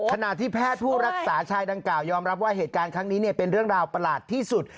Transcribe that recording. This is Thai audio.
ขณะที่แพทย์ผู้รักษาชายดังกล่ายอมรับว่าเหตุการณ์ครั้งนี้เป็นเรื่องราวประหลาดที่สุด